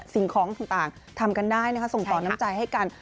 สิ่งของต่างทำกันได้นะคะส่งต่อน้ำใจให้กัน